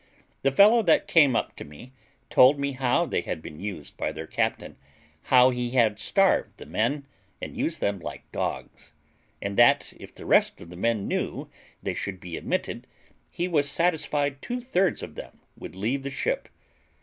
The fellow that came up to me told me how they had been used by their captain, how he had starved the men, and used them like dogs, and that, if the rest of the men knew they should be admitted, he was satisfied two thirds of them would leave the ship.